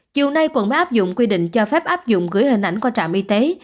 chiều nay quận đã áp dụng quy định cho phép áp dụng gửi hình ảnh qua trạm y tế